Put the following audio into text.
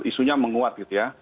isunya menguat gitu ya